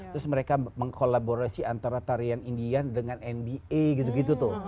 terus mereka mengkolaborasi antara tarian indian dengan nba gitu gitu tuh